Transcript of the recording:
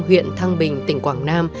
huyện thăng bình tỉnh quảng nam